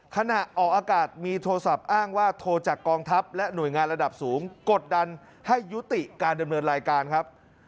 ขณะออกอากาศมีโทรศัพท์อ้างว่าโทรจากกองทัพและหน่วยงานระดับสูงกดดันให้ยุติการดำเนินรายการครับ